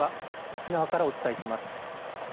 沖縄からお伝えします。